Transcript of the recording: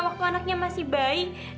waktu anaknya masih bayi